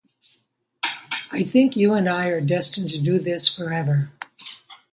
I think you and I are destined to do this forever.